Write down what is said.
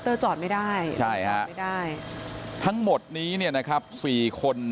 ขอบคุณทุกคน